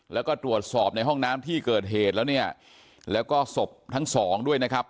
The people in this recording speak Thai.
แล้วก็ตรวจสอบในห้องน้ำที่เกิดเหตุแล้วเนี่ยแล้วก็ศพทั้งสองด้วยนะครับ